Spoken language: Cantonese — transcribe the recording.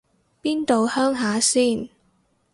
邊度鄉下先